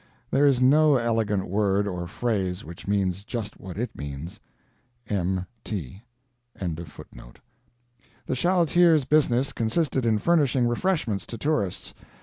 There is no elegant word or phrase which means just what it means. M.T. The chaleteer's business consisted in furnishing refreshments to tourists.